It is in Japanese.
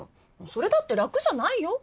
それだって楽じゃないよ。